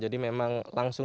jadi memang langsung